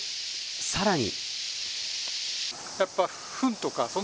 さらに。